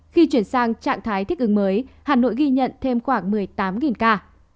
khi chuyển sang trạng thái thích ứng mới hà nội ghi nhận thêm khoảng một mươi tám ca